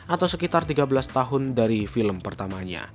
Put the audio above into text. atau sekitar tiga belas tahun dari film pertamanya